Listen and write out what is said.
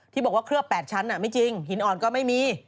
ที่บอกว่าเคลือบ๘ชั้นไม่จริงหินอ่อนก็ไม่มี